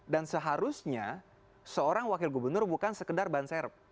dan seharusnya seorang wakil gubernur bukan sekedar ban serep